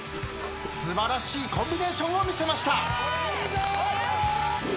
素晴らしいコンビネーションを見せました。